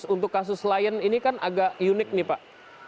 untuk kasus lion ini kan agak unik nih pak